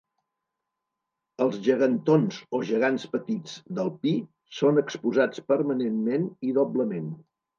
Els gegantons o gegants petits del Pi són exposats permanentment i doblement.